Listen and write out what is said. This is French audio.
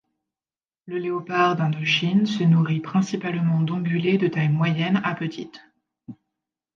Le Léopard d'Indochine se nourrit principalement d'ongulés de taille moyenne à petite.